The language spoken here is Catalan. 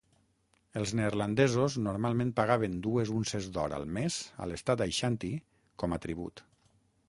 Els neerlandesos normalment pagaven dues unces d'or al mes a l'estat Aixanti com a tribut.